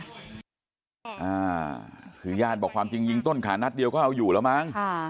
อ่าคือญาติบอกความจริงยิงต้นขานัดเดียวก็เอาอยู่แล้วมั้งค่ะ